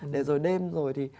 để rồi đêm rồi thì